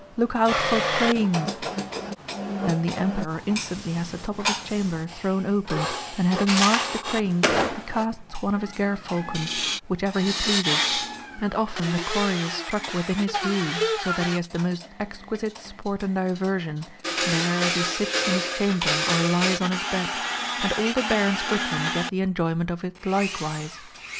Look out for Cranes !" Then the Emperor instantly has the top of his chamber thrown open, and having marked the cranes he casts one of his gerfalcons, whichever he pleases ; and often the quarry is struck within his view, so that he has the most exquisite sport and' diversion, there as he sits in his chamber or lies on his bed ; and all the Barons with him get the enjoyment of it likewise